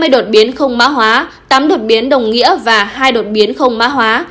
năm mươi đột biến không má hóa tám đột biến đồng nghĩa và hai đột biến không má hóa